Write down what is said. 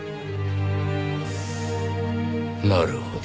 なるほど。